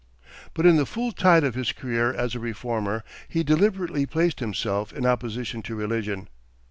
But in the full tide of his career as a reformer he deliberately placed himself in opposition to religion.